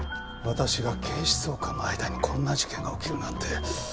私が警視総監の間にこんな事件が起きるなんて。